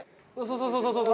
そうそうそうそう！